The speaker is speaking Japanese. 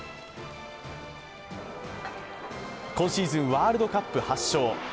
今シーズン、ワールドカップ８勝。